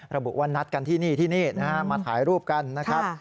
ระบุว่านัดกันที่นี่ที่นี่นะฮะมาถ่ายรูปกันนะครับ